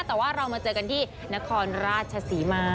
แต่ว่าเรามาเจอกันที่นครราชศรีมา